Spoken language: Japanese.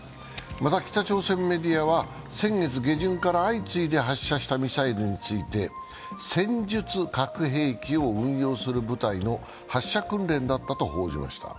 また、北朝鮮メディアは先月下旬から相次いで発射したミサイルについて戦術核兵器を運用する舞台の発射訓練だったと報じました。